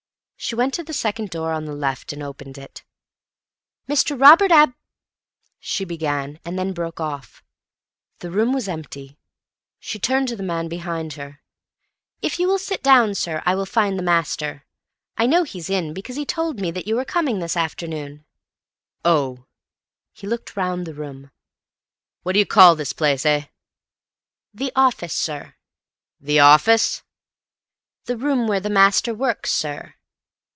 She went to the second door on the left, and opened it. "Mr. Robert Ab—" she began, and then broke off. The room was empty. She turned to the man behind her. "If you will sit down, sir, I will find the master. I know he's in, because he told me that you were coming this afternoon." "Oh!" He looked round the room. "What d'you call this place, eh?" "The office, sir." "The office?" "The room where the master works, sir."